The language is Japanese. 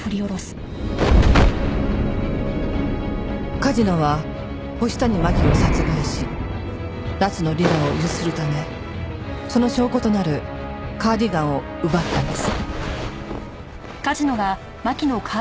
梶野は星谷真輝を殺害し夏野理奈を強請るためその証拠となるカーディガンを奪ったんです。